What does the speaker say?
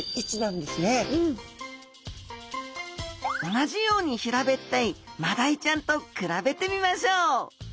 同じように平べったいマダイちゃんと比べてみましょう。